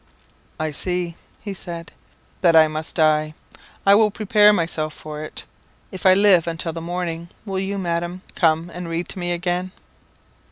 "I see," he said, "that I must die. I will prepare myself for it. If I live until the morning, will you, Madam, come and read to me again?"